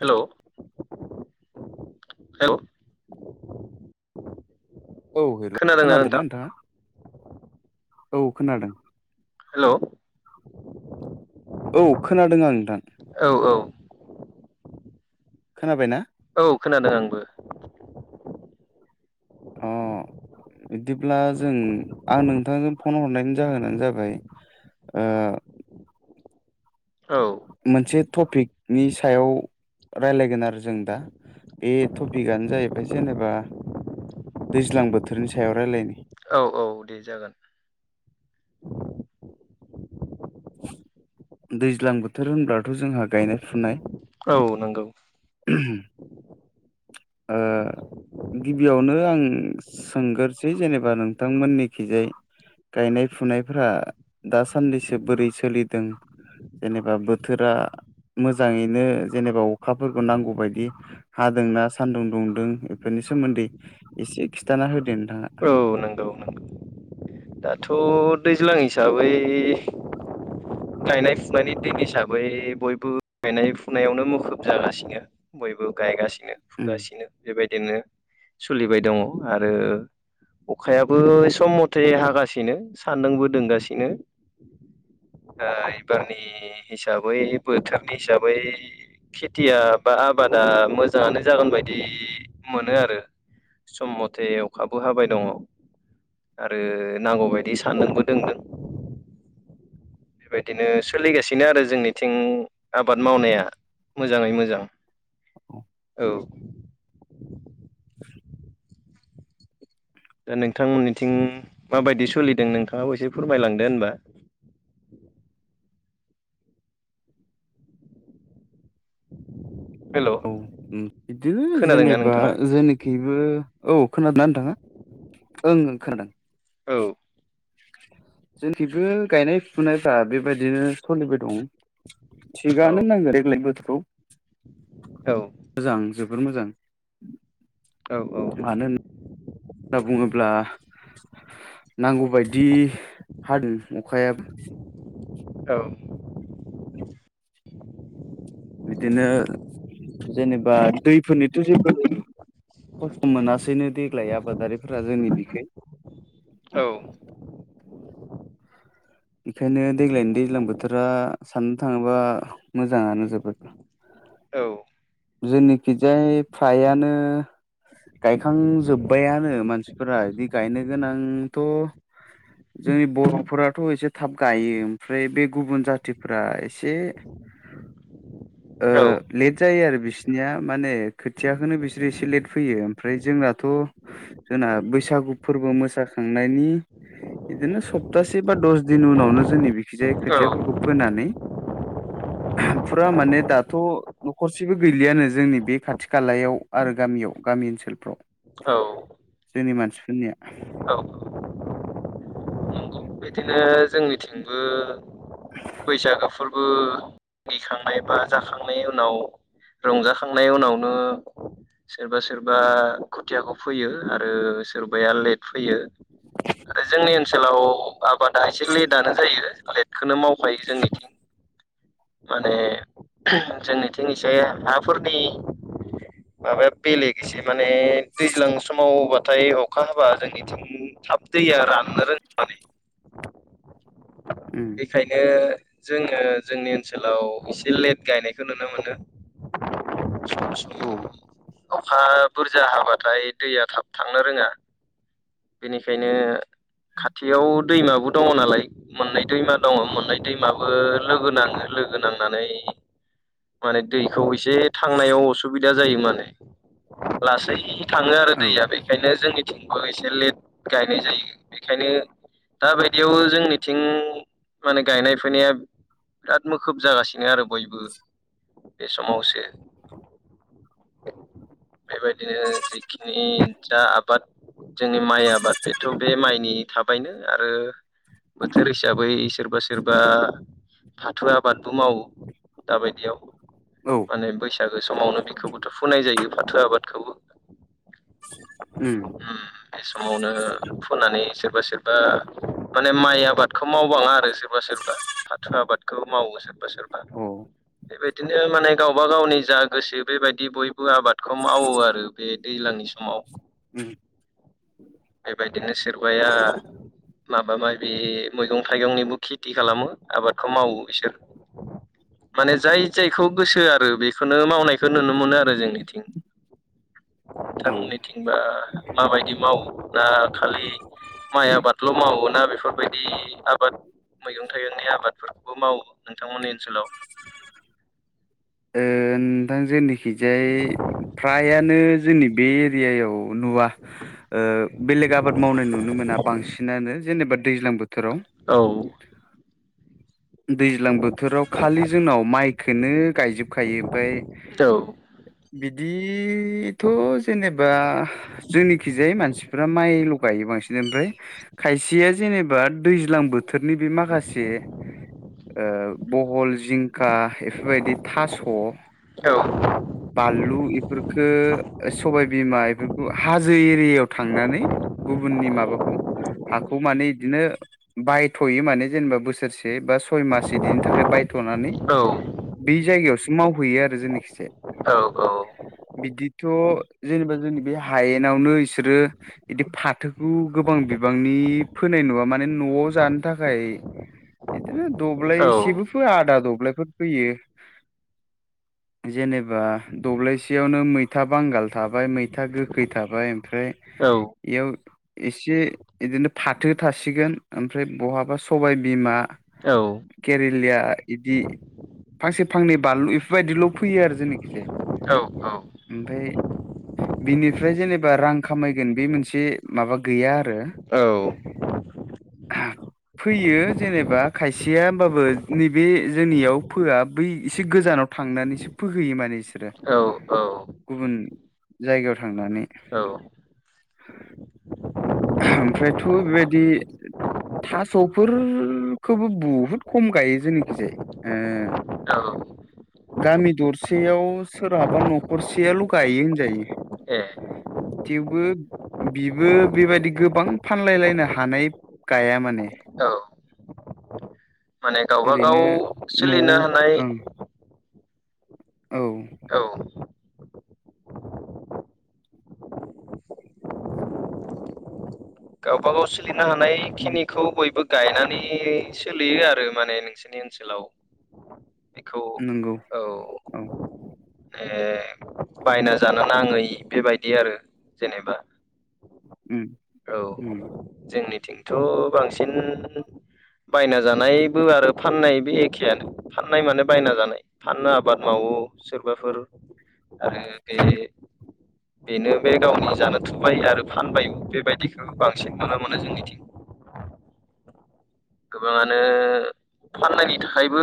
हेल' hello औ hello खोनादोंना नोंथाङा औ खोनादों। हेल' औ खोनादों आं दा। औ औ खोनाबायना? औ खोनादों आंबो। अ बिदिब्ला जों आं नोंथांजों फन हरनायनि जाहोनानो जाबाय ओ औ मोनसे टपिकनि सायाव रायज्लायगोन आरो जों दा बे टपिकआनो जाहैबाय जेनेबा दैज्लां बोथोरनि सायाव रायज्लायनि। औ औ दे जागोन। दैज्लां बोथोर होनब्लाथ' जोंहा गायनाय फुनाय औ नंगौ उम ओ गिबियावनो आं सोंगोरसै जेनेबा नोंथांमोननिखिजाय गायनाय फुनायफ्रा दासान्दिसो बोरै सोलिदों? जेनेबा बोथोरा मोजाङैनो जेनेबा अखाफोरखौ नांगौबायदि हादोंना सान्दुं दुंदों बेफोरनि सोमोन्दै एसे खिन्थाना होदो नोंथाङा। औ नंगौ नंगौ दाथ' दैज्लां हिसाबै गायनाय फुनायनि दिन हिसाबै बयबो गायनाय फुनायावनो मुखुब जागासिनो। बयबो गायगासिनो उम फुगासिनो बेबायदिनो सोलिबाय दङ आरो अखायाबो सम मथे हागासिनो सान्दुंबो दुंगासिनो। एबारनि हिसाबै बोथोरनि हिसाबै खेथिया बा आबादा मोजाङानो जागोन बायदि मोनो आरो। सम मथे अवखाबो हाबाय उम दङ आरो नांगौबायदि सानदुंबो दुंदों। बेबायदिनो सोलिगासिनो आरो जोंनिथिं आबाद मावनाया मोजाङै मोजां औ औ दा नोंथांमोननिथिं माबायदि सोलिदों नोंथाङाबो एसे फोरमायलांदो होनबा? हेल' औ बिदिनो खोनादोंना जेनेबा नोंथाङा जेन बेबो औ खोनादोंना नोंथाङा ओं खोनादों। औ जोंनिथिंबो गायनाय फुनायफ्रा बेबायदिनो सोलिबाय दं। औ थिगानो मावनाया देग्लायनि बोथोराव औ मोजां जोबोर मोजां औ औ मानो होनना बुङोब्ला नांगौबायदि हादों अखायाबो औ बिदिनो जेनेबा दैफोरनिथ' जेबो खस्थ' मोनासैनो देग्लाय आबादारिफोरा जोंनि बिखै औ बेखायनो देग्लायनि दैज्लां बोथोरा साननो थाङोबा मोजाङानो जोबोद। औ जोंनिखि जाय फ्रायानो गायखांजोब्बायानो मानसिफोरा बिदि गायनो गोनांथ' जोंनि बर'फोराथ' एसे थाब गायो ओमफ्राय बे गुबुन जाथिफोरा एसे ओ लेत जायो आरो बिसिनिया माने खोथियाखौनो बिसोरो एसे लेट फैयो ओमफ्राय जोंनाथ' जोंना बैसागु फोरबो मोसाखांनायनि बिदिनो सप्तासे बा दस दिन उनावनो जोंनि बिखिजायै खोथियाफोरखौ फोनानै फुरा माने दाथ' न'खरसे गासिबो गैलियानो जोंनि बे खाथि खालायाव आरो गामियाव गामि ओनसोलफ्राव। औ जोंनि मानसिफोरनिया। औ नंगौ बिदिनो जोंनिथिंबो बैसागोफोर उम दिखांनाय बा जाखांनायनि उनाव रंजाखांनायनि उनावनो सोरबा सोरबा खोथियाखौ फैयो आरो सोरबाया लेट फोयो। आरो जोंनि ओनसोलाव आबादा एसे लेटनो जायो लेटखौनो मावखायो जोंनिथिं माने जोंनिथिं इसे हाफोरनि माबाया बेलेग इसे माने दैज्लां समावबाथाय अखा हाबा जोंनिथिं थाब दैया राननो रोंङा माने उम बेखायनो जोङो जोंनि ओनसोलाव एसे लेट गायनायखौ नुनो मोनो। सम सम औ अखा बुरजा हाबाथाय दैया थाब थांनो रोङा बेनिखायनो खाथियाव दैमाबो दङ नालाय मोननै दैमा दङ मोननै दैमाबो लोगो नाङो। लोगो नांनानै माने दैखौ एसे थांनायाव असुबिदा जायो माने लासै थाङो आरो औ दैया बेखायनो जोंनिथिंबो एसे लेट गायनाय जायो बेखायनो दा बायदियाव जोंनिथिं माने गायनाय फुनाया मोखुब जागासिनो आरो बयबो बे समावसो [inaudible] बेबायदिनो जिखिनि जा आबाद जोंनि माइ आबाद बेथ' बे माइनि थाबायनो आरो बोथोर हिसाबै सोरबा सोरबा थु आबादबो मावो दाबायदियाव। औ माने बैसागो समावनो बिखौबोथ' फुननाय जायो फाथो आबादखौबो। उम बे समावनो फुनानै सोरबा सोरबा माने माइ आबादखौ मावबाङा आरो सोरबा सोरबा फाथो आबादखौ मावो सोरबा सोरबा। [inaudible] बेबायदिनो माने गावबा गावनि जा गोसो बेबायदि बयबो आबादखौ मावो आरो बे दैज्लांनि समाव। उम बेबायदिनो सोरबाया माबाबा बे मैगं थाइगंनिबो खेथि खालामो आबादखौ मावो बिसोर माने जाय जायखौ गोसो आरो बेखौनो मावनायखौ नुनो मोनो आरो जोंनिथिं। औ ओ नोथांमोननिथिंबा माबायदि मावो ना खालि माइ आबादल' मावोना बेफोरबायदि आबाद मैगं थाइगंनि आबादफोरखौबो मावो नोंथांमोननि ओनसोलाव? नोंथां जनिखिजाय फ्रायानो जोंनि बे एरियायाव नुवा। बेलेग आबाद मावनाय नुनो मोना बांसिनानो जेनेबा दैज्लां बोथोराव। औ। दैज्लां बोथोराव खालि जोंनाव माइखोनो गायजोबखायो। ओमफाय औ बिदिथ' जेनेबा जोंनिखिजाय मानसिफ्रा माइल' गायो बांसिन। ओमफ्राय खायसेया जेनेबा दैज्लां बोथोरनि बे माखासे बहल, जिंखा, एफोरबायदि थास' औ। बानलु इफोरखौ सबायबिमा इफोरखौ हाजो एरियायाव थांनानै गुबुननि माबाखौ हाखौ माने बिदिनो बायथ'यो माने जेनेबा बोसोरसे बा सय मास बिदिनि थाखाय बायथ'नानै औ ब जायगायावसो मावहैयो आरो जोंनिखैजाय। औ औ। बिदिथ' जेनेबा जोंनि बे हायेनावनो इसोरो बिदि फाथोखौ गोबां बिबांनि फोनाय नङा माने न'आव जानो थाखाय बिदिनो औ दब्लायसेबो फोया आदा दब्लायफोर फोयो। जेने बा दब्लायसेयावनो मैथा बांगाल थाबाय मैथा गोखै थाबाय ओमफ्राय औ। इयाव एसे बिदिनो फाथो थासिगोन, ओमफ्राय बहाबा सबायबिमा औ। केरेलिया इदि फांसे फांनै बानलु बेफोरबायदिल' फैयो आरो जोंनि औ। ओमफाय बिनिफ्राय जेनेबा रां खामायगोन बे मोनसे माबा गैया आरो। औ। [inaudible] फोयो जेनेबा खायसेया, होमबाबो नैबे जोंनियाव फोआ बै एसे गोजानाव थांनानैसो फोहैयो माने। बिसोरो औ गुबुन जायगायाव थांनानै। औ ओमफ्रायथ' बेबायदि थास'फोरखोबो बुहुद खम गायो जोंनिखैजाय। ओ औ गामि दरसेयाव सोरहाबा न'खरसेयाल' गायो होनजायो। ए थेवबो बिबो बेबायदि गोबां फानलायलायनो हानाय गाया माने। औ माने गावबा गाव ओरैनो न'आव सोलिनो हानाय ओं। औ। औ गावबागाव सोलिनो हानायखिनिखौ बयबो गायनानै सोलियो आरो माने नोंसोरनि ओनसोलाव। बेखौ नंगौ औ औ। ए बायना जानो नाङै बेबायदि आरो जेनेबा। उम औ उम। जोंनिथिंथ' बांसिन बायना जानायबो आरो फाननायबो एखेयानो। फाननाय माने बायना जानाय फाननो आबाद मावो। सोरबाफोर आरो दे बेनो बे गावनि जानो थुबाय आरो फानबाय बेबायदिखौ बांसिन नुनो मोनो जोंनिथिं। गोबाङानो फाननायनि थाखायबो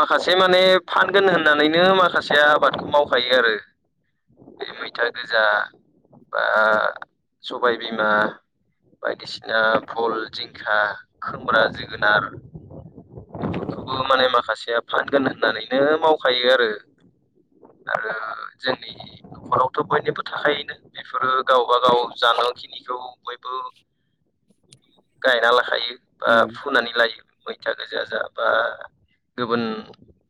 माखासे माने फानगोन होननानैनो माखासे आबादखौ मावखायो आरो। [inaudible] बे मैथा गोजा बा सबाय बिमा बायदिसिना भल, जिंखा, खोमब्रा, जोगोनार बेफोरखौबो माने माखासेया फानगोन होननानैनो मावखायो आरो। आरो जोंनि न'खरावथ' बयनिबो थाखायो नो। बेफोरो गावबा गाव जानो थि निखौ बयबो [inaudible] गायना लाखायो बा उम नानै लायो मैथा गोजा जा बा गुबुन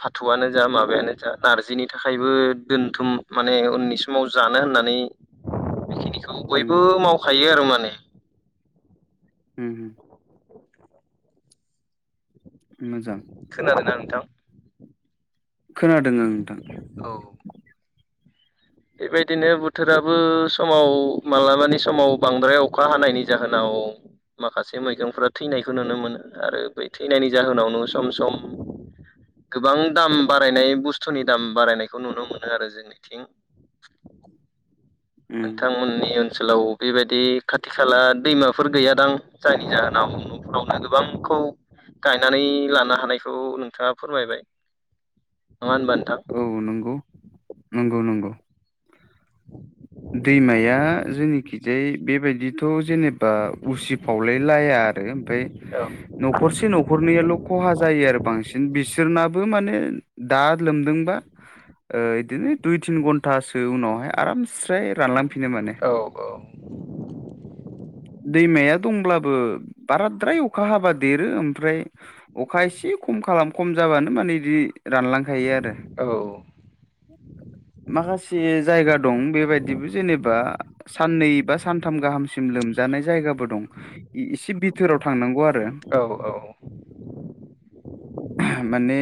फाथ'आनो जा माबायानो जा नार्जिनि थाखायबो दोनथुम माने उननि सम माव जानो होननानै बेखिनिखौ उम बयबो मावखायो आरो माने। उम। मोजां। खोनादोंना नोंथां? खोनादों ओं नोंथां। औ। बेबायदिनो बोथोराबो समाव मालाबानि समाव बांद्राय अखा हानायनि जाहोनाव माखासे मैगंफोरा थैनायखौ नुनो मोनो आरो बै थैनायनि जाहोनावनो माव सम उम सम गोबां दाम बारायनाय बुस्थुनि दाम बारायनायखौ नुनो मोनो आरो जोंनिथिं। [inaudible] नोंथांमोननि ओनसोलाव बेबायदि खाथि खाला दैमाफोर गैयादां जायनि जाहोनाव न'फ्रावनो गोबांखौ गायनानै लानो हानायखौ नोंथाङा फोरमायबाय नङा होनबा नोंथां। औ नंगौ। [inaudible] नंगौ नंगौ। दैमाया जोंनिखिजाय बेबायदिथ' जेनेबा उसिफावलाय लाया आरो ओमफाय औ। न'खरसे न'खरनैयाल' ख'हा जायो आरो बांसिन बिसोरनाबो माने दा लोमदोंबा ओ इदिनो दुइ तिन घन्टासो उनावहाय आराम स्राय रानलां औ औ। दैमाया दंब्लाबो बाराद्राय अखा हाबा देरो ओमफ्राय अखा एसे खम खालाम खम जाबानो माने बिदि रानलांखायो आरो। औ। माखासे ज जायगा दं बेबायदिबो जेनेबा साननै बा सानथाम गाहामसिम लोमज जायगाबो दं एसे बिथोराव थांनांगौ आरो। औ औ। [inaudible] ओहो माने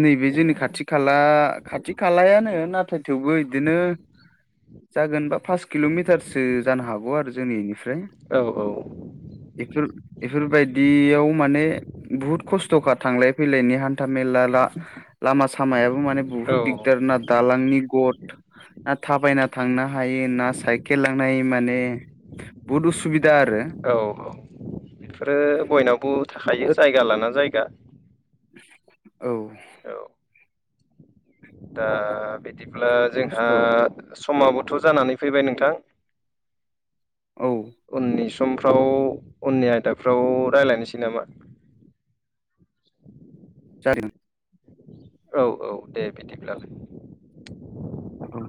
नैबे जोंनि खाथि खाला खाथि खालायानो नाथाय थेवबो बिदिनो जागोनबा पास किल'मिटारसो जानो हागौ आरो जोंनि बेनिफ्राय। औ औ। एप्रिल बेफोरबायदियाव माने बहुत खस्थ'खा थांलाय फैलायनि हान्था मेला ला लामा सामायाबो माने बुहुत औ दिगदार ना। दालांनि गद ना थाबायना थांनो हायो ना साइकेल लांनाय माने बहुद उसुबिदा आरो। औ-औ बेफोरो बयनावबो थाखायो जायगा लाना जायगा। औ। औ दा बिदिब्ला बुहुद जोंहा खस्थ' औ समाबोथ' जानानै फैबाय नोंथां? औ। उननि समफ्राव उननि आयदाफ्राव रायज्लायनोसै नामा? [unintelligible] [inaudible] औ-औ दे बिदिब्लालाय। औ।